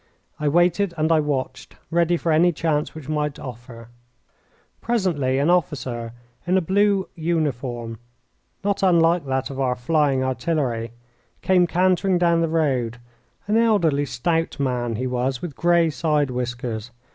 I waited and I watched, ready for any chance which might offer. Presently an officer, in a blue uniform not unlike that of our flying artillery, came cantering down the road an elderly, stout man he was, with grey side whiskers.